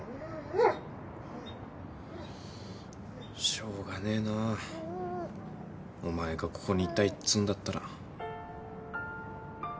・しょうがねえなお前がここにいたいっつうんだったら。